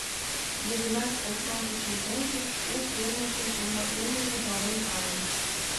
Йыгнат ошмам кучен ончыш, у кермычын кунар улмыжым пален пале.